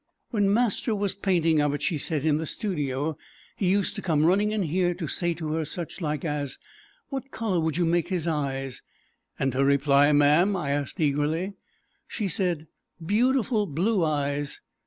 "When master was painting of it," she said, "in the studio, he used to come running in here to say to her such like as, 'What colour would you make his eyes?'" "And her reply, ma'am?" I asked eagerly. "She said, 'Beautiful blue eyes.'